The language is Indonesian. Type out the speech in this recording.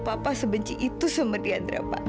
papa sebenci itu sama diandra pak